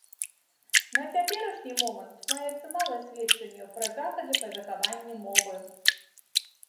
На цяперашні момант маецца мала сведчанняў пра захады па захаванні мовы.